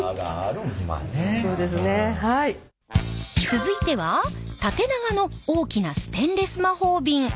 続いては縦長の大きなステンレス魔法瓶。